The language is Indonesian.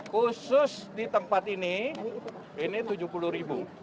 khusus di tempat ini ini tujuh puluh ribu